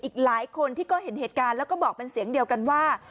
อีกหลายคนที่ก็เห็นเหตุการณ์แล้วก็บอกเป็นเสียงเดียวกันว่า